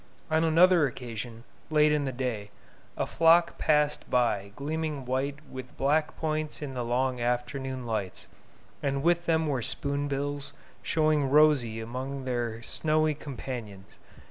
On another occasion, late in the day, a flock passed by, gleaming white with black points in the long afternoon lights, and with them were spoonbills, showing rosy amid their snowy companions.